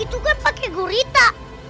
itu kan pake gurita